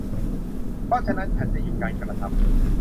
เพราะฉะนั้นฉันจะหยุดการกระทำ